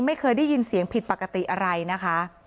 ไม่เคยได้ยินเสียงผิดปกติอะไรนะคะ